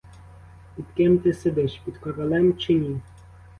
Під ким ти сидиш: під королем чи ні?